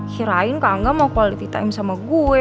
kirain kagak mau quality time sama gue